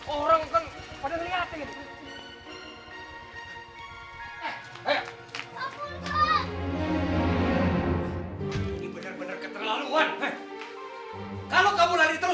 orang kan pada neliatin